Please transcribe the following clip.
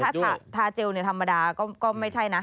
ถ้าผมถ้าเจลเนี่ยธรรมดาก็ไม่ใช่นะ